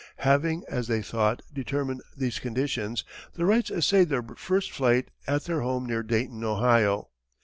Having, as they thought, determined these conditions the Wrights essayed their first flight at their home near Dayton, Ohio.